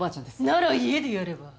なら家でやれば？